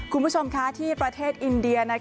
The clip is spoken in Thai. คุณผู้ชมคะที่ประเทศอินเดีย